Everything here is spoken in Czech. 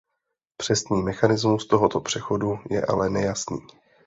Přesný mechanismus tohoto přechodu je ale nejasný.